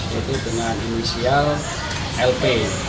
yaitu dengan inisial lp